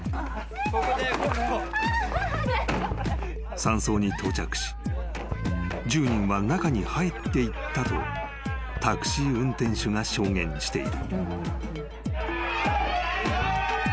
［山荘に到着し１０人は中に入っていったとタクシー運転手が証言している］